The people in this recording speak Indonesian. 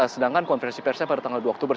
sedangkan konversasi persia pada tanggal dua oktober